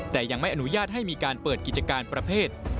แต่ยังไม่อนุญาตให้มีการเปิดกิจการประเภท